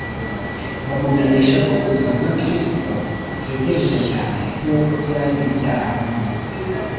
, bamumenyesha ko kuza kwa Kristo kwegereje cyane nk’uko byari byarahanuwe